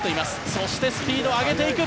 そしてスピードを上げていく。